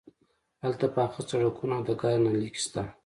هلته پاخه سړکونه او د ګاز نل لیکې شته